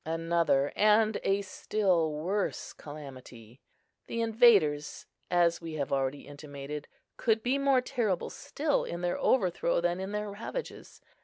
Another and a still worse calamity. The invaders, as we have already intimated, could be more terrible still in their overthrow than in their ravages.